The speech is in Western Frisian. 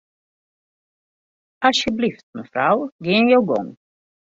Asjebleaft mefrou, gean jo gong.